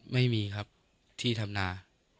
ไม่มีครับที่ทำนา